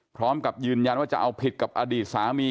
พร้อมกับยืนยันว่าจะเอาผิดกับอดีตสามี